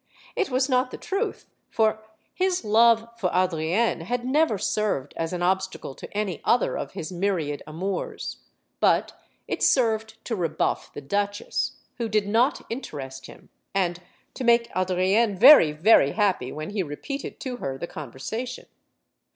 It was not the truth, for his love for Adrienne had never served as an ob stacle to any other of his myriad amours. But it served to rebuff the duchesse, who did not interest him, and to make Adrienne very, very happy when he repeated to her the conversation.